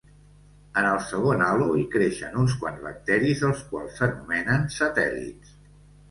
En el segon halo hi creixen uns quants bacteris, els quals s'anomenen satèl·lits.